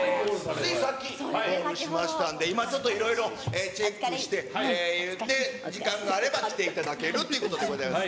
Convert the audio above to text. ついさっき、ゴールしましたんで、今ちょっと、いろいろチェックして、時間があれば来ていただけるということでございます。